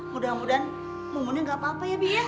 mudah mudahan mungguni gak apa apa ya bi ya